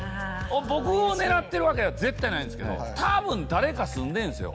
僕を狙ってるわけや絶対ないんすけど多分誰か住んでんすよ。